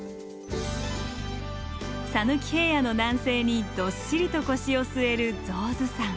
讃岐平野の南西にどっしりと腰を据える象頭山。